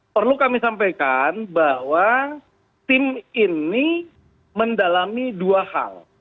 perlu kami sampaikan bahwa tim ini mendalami dua hal